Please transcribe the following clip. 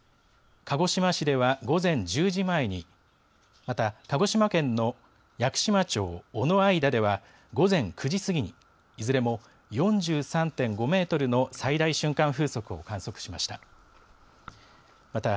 鹿児島市では午前１０時前に、また鹿児島県の屋久島町尾之間では午前９時過ぎに、いずれも４３．５メートルの最大瞬間風速を観測しました。